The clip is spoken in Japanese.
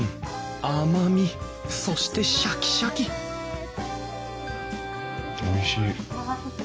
甘みそしてシャキシャキおいしい。